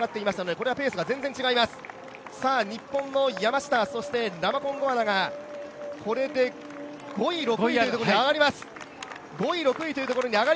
日本の山下、ラマコンゴアナがこれで５位、６位というところに上がります。